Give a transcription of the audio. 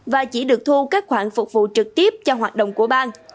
và chỉ được thu các khoản phục vụ trực tiếp cho hoạt động của bang